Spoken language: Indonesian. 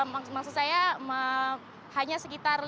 maksud saya hanya sekitar